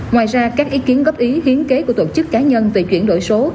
ngoài ra các ý kiến góp ý hiến kế của tổ chức cá nhân về chuyển đổi số